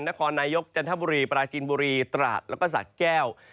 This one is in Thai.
นครนายกจันทบุรีปราจินบุรีตราดแล้วก็สะแก้ว